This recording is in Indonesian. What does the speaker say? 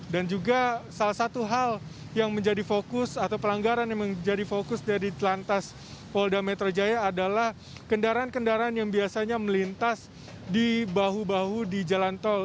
dan juga salah satu hal yang menjadi fokus atau pelanggaran yang menjadi fokus dari lantas polda metro jaya adalah kendaraan kendaraan yang biasanya melintas di bahu bahu di jalan tol